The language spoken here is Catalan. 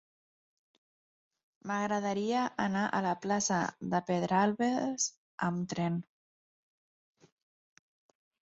M'agradaria anar a la plaça de Pedralbes amb tren.